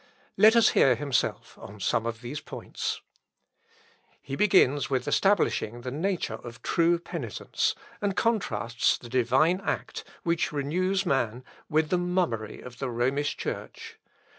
Let us hear himself on some of these points. Luth. Op., (Leips.) xvii, pp. 29 113. He begins with establishing the nature of true penitence, and contrasts the divine act, which renews man, with the mummery of the Romish Church.